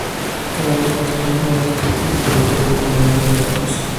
Todas las canciones fueron escritas y producidas por Imagine Dragons.